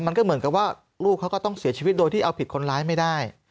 มันก็เหมือนกับว่าลูกเขาก็ต้องเสียชีวิตโดยที่เอาผิดคนร้ายไม่ได้